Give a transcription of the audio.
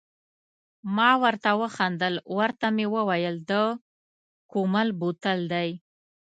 ما ورته و خندل، ورته مې وویل د کومل بوتل دی.